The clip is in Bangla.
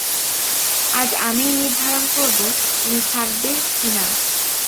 আজ আমিই নির্ধারণ করব তুমি থাকবে কী না।